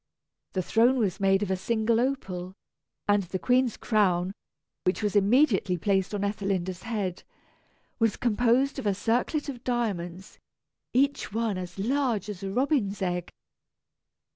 The throne was made of a single opal, and the queen's crown, which was immediately placed on Ethelinda's head, was composed of a circlet of diamonds, each one as large as a robin's egg.